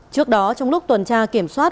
trước đó trong lúc tuần tra kiểm soát